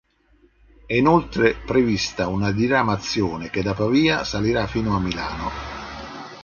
È inoltre prevista una diramazione che da Pavia salirà fino a Milano.